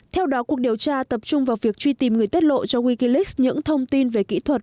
theo đó cuộc điều tra tập trung vào việc truy tìm người tiết lộ cho wikileaks những thông tin về kỹ thuật